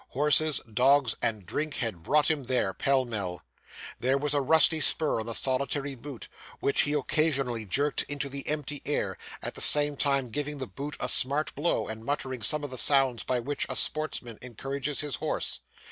Horses, dogs, and drink had brought him there, pell mell. There was a rusty spur on the solitary boot, which he occasionally jerked into the empty air, at the same time giving the boot a smart blow, and muttering some of the sounds by which a sportsman encourages his horse.